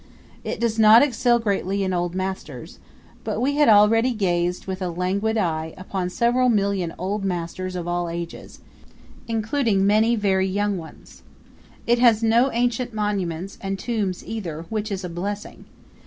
It does not excel greatly in Old Masters, but we had already gazed with a languid eye upon several million Old Masters of all ages, including many very young ones. It has no ancient monuments and tombs either, which is a blessing.